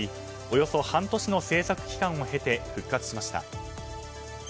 およそ半年の制作期間を経て復活しました。